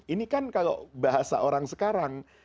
ini kan kalau bahasa orang sekarang